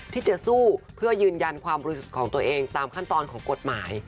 ที่จะสู้เพื่อยืนยันความบริสุทธิ์ของตัวเองตามขั้นตอนของกฎหมาย